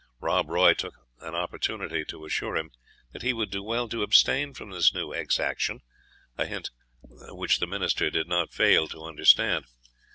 Rob Roy took an opportunity to assure him that he would do well to abstain from this new exaction a hint which the minister did not fail to understand.